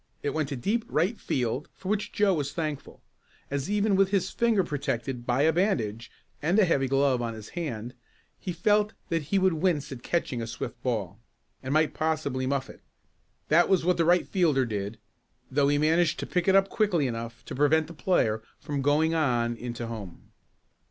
It went to deep right field, for which Joe was thankful, as even with his finger protected by a bandage and a heavy glove on his hand, he felt that he would wince at catching a swift ball, and might possibly muff it. That was what the right fielder did, though he managed to pick it up quickly enough to prevent the player from going on in to home.